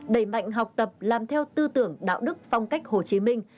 đẩy mạnh học tập làm theo tư tưởng đạo đức phong cách hồ chí minh